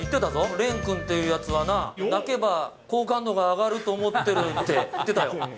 レン君っていうやつはな、泣けば好感度が上がると思ってるって、言ってたよ。